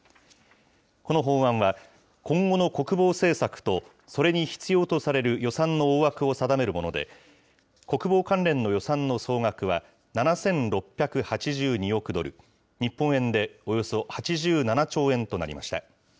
この法案は、今後の国防政策とそれに必要とされる予算の大枠を定めるもので、国防関連の予算の総額は、７６８２億ドル、日本円でおよそ８７兆円となりました。